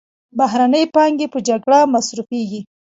بهرنۍ پانګې پر جګړه مصرفېږي.